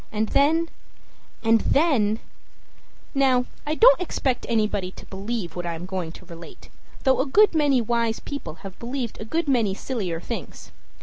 And then and then Now I don't expect anybody to believe what I am going to relate, though a good many wise people have believed a good many sillier things.